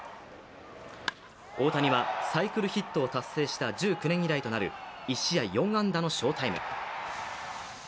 大谷はサイクルヒットを達成した１９年ぶりとなる１試合４安打の翔タイム。